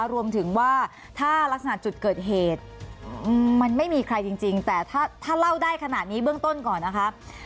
รวมถึงว่าถ้ารักษณะจุดเกิดเหตุมันไม่มีใครจริงแต่ถ้าเล่าได้ขนาดนี้เบื้องต้นก่อนนะครับ